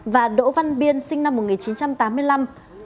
và đỗ văn biên sinh năm một nghìn chín trăm tám mươi năm